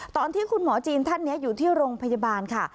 ตอนที่คุณหมอจีนท่านนี้อยู่ที่โรงพยาบาลค่ะ